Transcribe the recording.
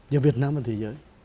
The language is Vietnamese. như việt nam và thế giới